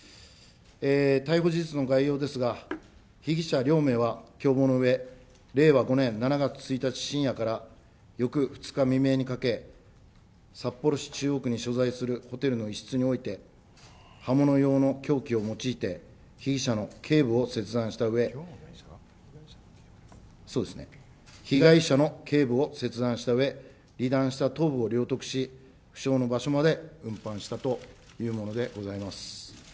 逮捕事実の概要ですが、被疑者両名は、共謀のうえ、令和５年７月１日深夜から翌２日未明にかけ、札幌市中央区に所在するホテルの一室において刃物用の凶器を用いて、被疑者のけい部を切断したうえ、被害者のけい部を切断したうえ、離断した頭部を領得し、不詳の場所まで運搬したというものでございます。